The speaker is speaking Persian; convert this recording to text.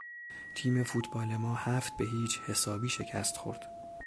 تیم فوتبال ما هفت به هیچ حسابی شکست خورد.